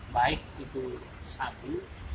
baik itu satu